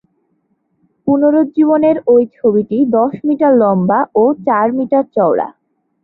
পুনরুজ্জীবনের এই ছবিটি দশ মিটার লম্বা ও চার মিটার চওড়া।